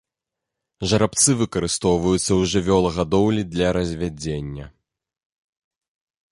Жарабцы выкарыстоўваюцца ў жывёлагадоўлі для развядзення.